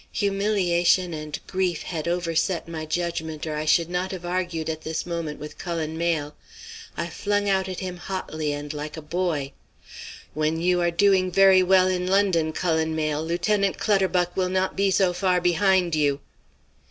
"Humiliation and grief had overset my judgment or I should not have argued at this moment with Cullen Mayle. I flung out at him hotly, and like a boy. "'When you are doing very well in London, Cullen Mayle, Lieutenant Clutterbuck will not be so far behind you.'